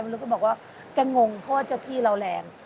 แล้วก็บอกว่าแกงงเพราะว่าเจ้าที่เราแรง